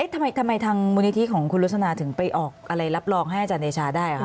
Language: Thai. ทำไมทางมูลนิธิของคุณรสนาถึงไปออกอะไรรับรองให้อาจารย์เดชาได้คะ